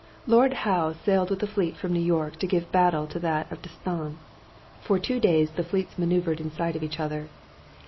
Lord Howe sailed with the fleet from New York to give battle to that of D'Estaing. For two days the fleets maneuvered in sight of each other.